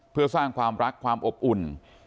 เพื่อสร้างความรักความอบอุ่น